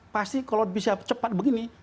pasti kalau bisa cepat begini